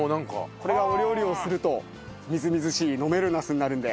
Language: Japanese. これがお料理をするとみずみずしい飲めるナスになるんで。